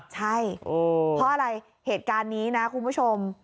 ใช่เพราะอะไรเหตุการณ์นี้นะคุณผู้ชม